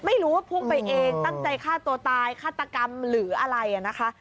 ไม่รู้ว่าพุ่งไปเองตั้งใจฆ่าตัวตายฆาตกรรมหรืออะไรนะคะ